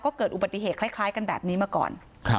ก็เกิดอุบัติเหตุคล้ายกันแบบนี้มาก่อน